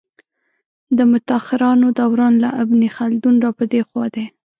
د متاخرانو دوران له ابن خلدون را په دې خوا دی.